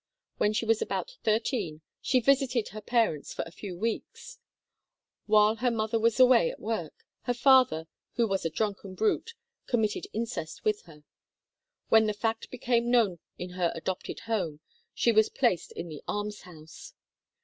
When she was about thirteen, she visited her parents for a few weeks. While her mother was away at work, her father, who was a drunken brute, committed incest with her. When the fact became known in her adopted home, she was placed in the almshouse.